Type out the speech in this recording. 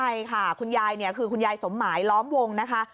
ใช่ค่ะคุณยายเนี่ยคือคุณยายสมหมายล้อมวงนะคะ